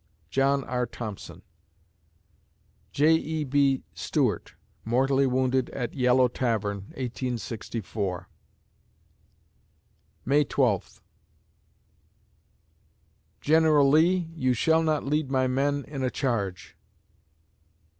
JOHN R. THOMPSON J. E. B. Stuart mortally wounded at Yellow Tavern, 1864 May Twelfth General Lee, you shall not lead my men in a charge!